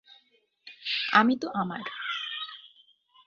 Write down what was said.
আমি তো আমার।